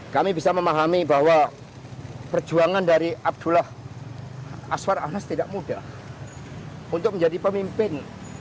kami bisa memahami bahwa perjuangan dari abdullah aswar anas tidak mudah untuk menjadi pemimpin